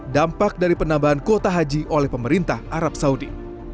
dampak dari penambahan kuota haji oleh pemerintah arab saudi